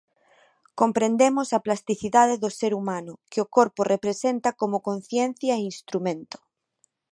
Comprendemos a plasticidade do ser humano, que o corpo representa como conciencia e instrumento.